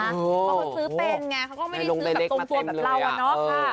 คนที่ซื้อเป็นก็ไม่ได้เชื่อตรงทั้งตัวครัว